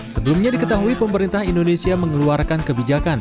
sebelumnya diketahui pemerintah indonesia mengeluarkan kebijakan